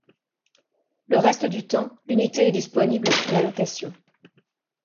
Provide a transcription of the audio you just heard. Le reste du temps, l'unité est disponible pour la location.